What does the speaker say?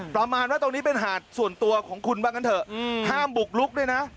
ประมาณว่าตรงนี้เป็นหาดส่วนตัวของคุณว่างั้นเถอะห้ามบุกลุกด้วยนะ